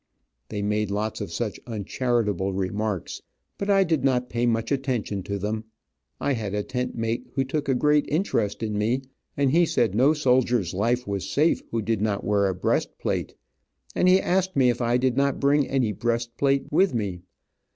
They made lots of such uncharitable remarks, but I did not pay much attention to to them. I had a tent mate who took a great interest in me, and he said no soldier's life was safe who did not wear a breast plate, and he asked me if I did not bring any breast plate with me.